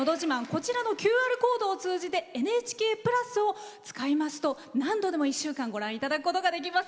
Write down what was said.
こちらのＱＲコードを通じて「ＮＨＫプラス」を使いますと何度でも１週間ご覧いただくことができます。